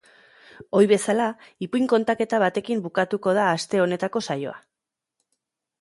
Ohi bezala, ipuin kontaketa batekin bukatuko da aste honetako saioa.